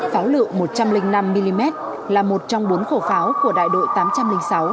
pháo lượng một trăm linh năm mm là một trong bốn khẩu pháo của đại đội tám trăm linh sáu